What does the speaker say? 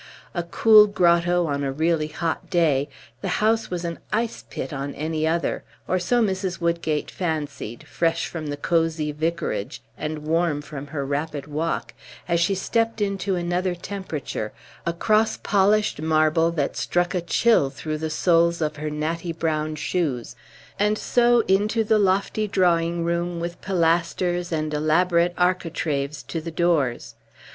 A cool grotto on a really hot day, the house was an ice pit on any other; or so Mrs. Woodgate fancied, fresh from the cosey Vicarage, and warm from her rapid walk, as she stepped into another temperature, across polished marble that struck a chill through the soles of her natty brown shoes, and so into the lofty drawing room with pilasters and elaborate architraves to the doors.